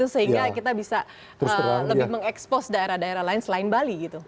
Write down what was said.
sehingga kita bisa mengekspos daerah daerah lain selain bali